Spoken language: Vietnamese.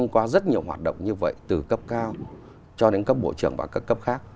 qua rất nhiều hoạt động như vậy từ cấp cao cho đến cấp bộ trưởng và các cấp khác